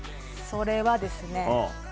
それはですね